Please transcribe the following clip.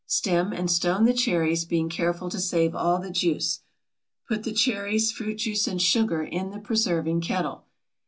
Stem and stone the cherries, being careful to save all the juice. Put the cherries, fruit juice, and sugar in the preserving kettle.